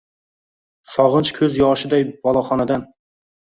sogʼinch koʼz yoshiday boloxonadan